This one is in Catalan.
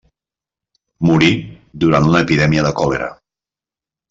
Morí durant una epidèmia de còlera.